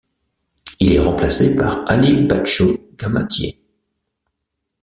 Il est remplacé par Ali Badjo Gamatié.